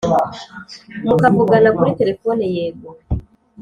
Mukavugana kuri telefoni yego